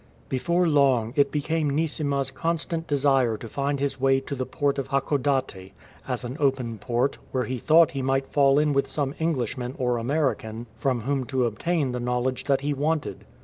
*" Before long it became Neesima'*s constant desire to find his way to the port of Hakodate, as an open port, where he thought he might fall in with some Englishman or American from whom to obtain the knowledge that he wanted.